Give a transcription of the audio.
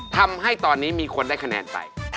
ทำให้ตอนนี้มีคนได้คะแนนไป